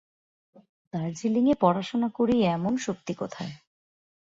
দার্জিলিঙে পড়াশুনা করি এমন শক্তি কোথায়।